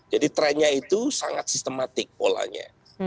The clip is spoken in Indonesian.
jadi trendnya itu sangat sistematik polanya